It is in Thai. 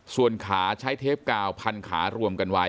ส่วนขาใช้เทปกาวพันขารวมกันไว้